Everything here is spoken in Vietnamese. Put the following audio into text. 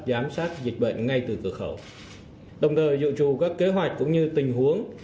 giám sát dịch bệnh ngay từ cửa khẩu đồng thời dự trù các kế hoạch cũng như tình huống